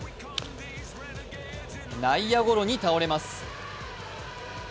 内野ゴロに倒れます。